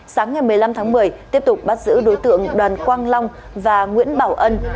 sáng ngày một mươi năm tháng một mươi tiếp tục bắt giữ đối tượng đoàn quang long và nguyễn bảo ân